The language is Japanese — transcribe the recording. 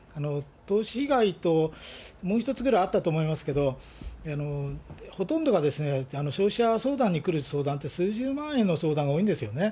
投資被害ともう一つぐらいあったと思いますけど、ほとんどが消費者相談に来る相談って、数十万円の相談が多いんですよね。